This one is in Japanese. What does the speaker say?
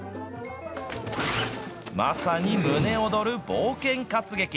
まさに胸躍る冒険活劇。